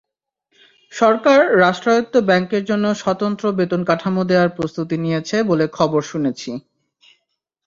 সরকার রাষ্ট্রায়ত্ত ব্যাংকের জন্য স্বতন্ত্র বেতনকাঠামো দেওয়ার প্রস্তুতি নিয়েছে বলে খবরে শুনেছি।